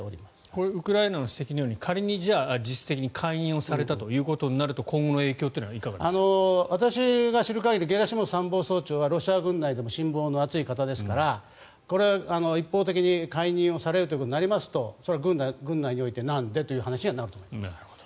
これはウクライナの指摘のように仮に実質的に解任されたとすると私が知る限りゲラシモフ参謀総長はロシア軍内でも信望の厚い方ですからこれは一方的に解任をされるということになりますとそれは軍内においてなんでという話にはなると思います。